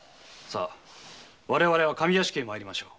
我々は上屋敷へ参りましょう。